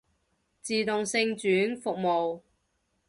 自動性轉服務